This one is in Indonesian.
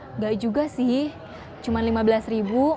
enggak juga sih cuma lima belas ribu